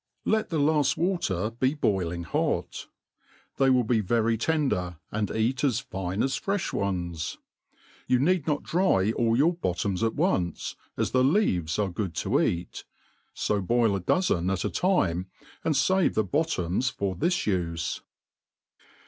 Let^the laft water be boiling hot. They will be very tender, and eat ^s fine as freih ones. You peed not dry all your bottoms at once, as the leaves are gck>d to eat : fo boil a dozen at a time, and fave the bottoms for this ufe.